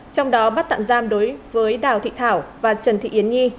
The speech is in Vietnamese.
trong đó bắt tạm giam đối với đào thị thảo và trần thị yến nhi